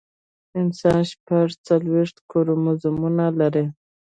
انسان شپږ څلوېښت کروموزومونه لري